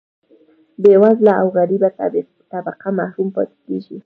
بیوزله او غریبه طبقه محروم پاتې کیږي.